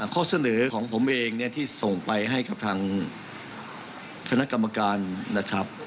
ข้อเสนอของผมเองเนี่ยที่ส่งไปให้กับทางคณะกรรมการนะครับ